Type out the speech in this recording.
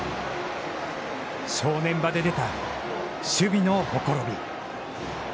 正念場で出た守備のほころび。